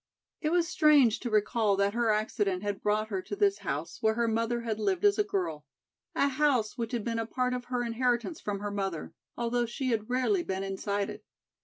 It was strange to recall that her accident had brought her to this house where her mother had lived as a girl, a house which had been a part of her inheritance from her mother, although she had rarely been inside it.